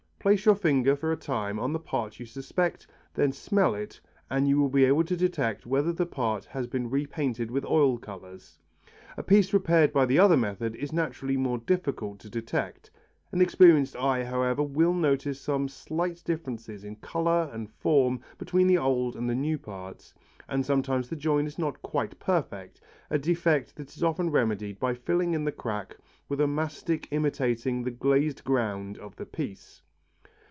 Place your finger for a time on the part you suspect, and then smell it and you will be able to detect whether the part has been repainted with oil colours. A piece repaired by the other method is naturally more difficult to detect; an experienced eye, however, will notice some slight differences in colour and form between the old and the new parts, and sometimes the join is not quite perfect, a defect that is often remedied by filling in the crack with a mastic imitating the glazed ground of the piece.